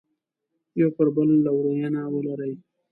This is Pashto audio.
یو پر بل لورینه ولري.